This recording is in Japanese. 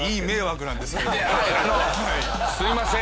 すいません。